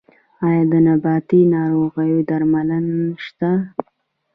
آیا د نباتي ناروغیو درمل شته؟